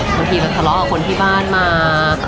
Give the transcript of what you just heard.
บางทีมันทะเลาะกับคนที่บ้านมา